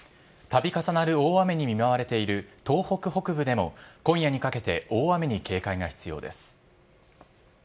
度重なる大雨に見舞われている東北北部でも今夜にかけて大雨に警戒が必要です。